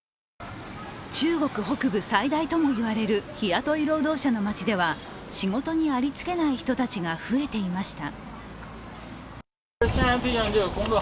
中国北部最大ともいわれる日雇い労働者の街では仕事にありつけない人たちが増えていました。